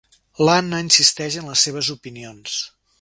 L'Anna insisteix en les seves opinions.